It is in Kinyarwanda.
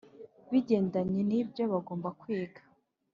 bigendanye n’ibyo bagomba kwiga,